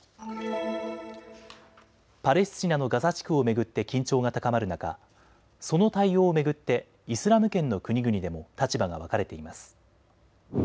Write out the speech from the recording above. パレスチナのガザ地区を巡って緊張が高まる中、その対応を巡ってイスラム圏の国々でも立場が分かれています。